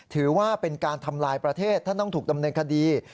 ถือว่าเป็นการทำลายประเทศท่านต้องถูกดำเนินคดี